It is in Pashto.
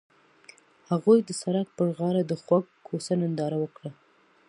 هغوی د سړک پر غاړه د خوږ کوڅه ننداره وکړه.